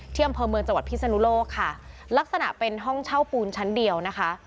อำเภอเมืองจังหวัดพิศนุโลกค่ะลักษณะเป็นห้องเช่าปูนชั้นเดียวนะคะ